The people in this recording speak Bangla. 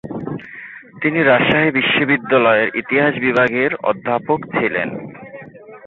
তিনি রাজশাহী বিশ্ববিদ্যালয়ের ইতিহাস বিভাগের অধ্যাপক ছিলেন।